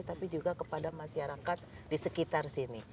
tapi juga kepada masyarakat di sekitar sini